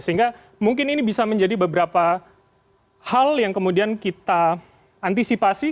sehingga mungkin ini bisa menjadi beberapa hal yang kemudian kita antisipasi